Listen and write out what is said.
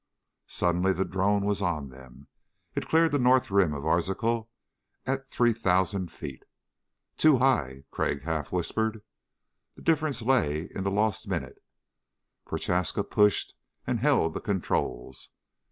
Suddenly the drone was on them. It cleared the north rim of Arzachel at 3,000 feet. Too high, Crag half whispered. The difference lay in the lost minute. Prochaska pushed and held the controls.